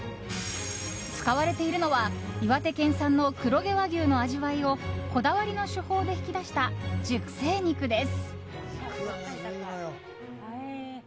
使われているのは岩手県産の黒毛和牛の味わいをこだわりの手法で引き出した熟成肉です。